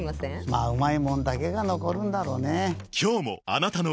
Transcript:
まぁうまいもんだけが残るんだろうねぇ。